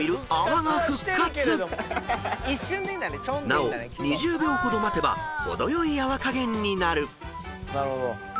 ［なお２０秒ほど待てば程よい泡加減になる］